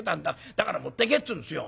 だから持ってけって言うんですよ。